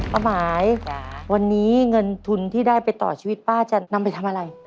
ป้าหมายวันนี้เงินทุนที่ได้ไปต่อชีวิตป้าจะนำไปทำอะไร